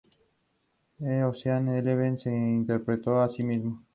Incrementar las excentricidades orbitales de los planetas gigantes requiere encuentros entre ellos.